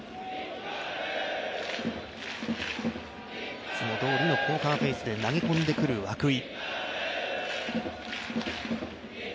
いつもどおりのポーカーフェースで投げ込んでくる涌井。